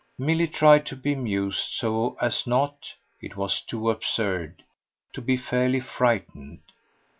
Milly tried to be amused, so as not it was too absurd to be fairly frightened.